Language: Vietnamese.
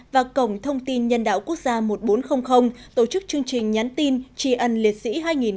và cổng thông tin nhân đạo quốc gia một nghìn bốn trăm linh tổ chức chương trình nhắn tin chi ân liệt sĩ hai nghìn hai mươi